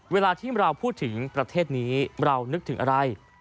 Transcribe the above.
เวลาที่เราพูดถึงประเทศนี้เรานึกถึงอะไร